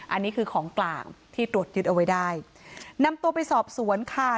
อันนี้คือของกลางที่ตรวจยึดเอาไว้ได้นำตัวไปสอบสวนค่ะ